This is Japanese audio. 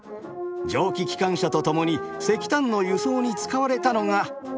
蒸気機関車とともに石炭の輸送に使われたのが蒸気船です。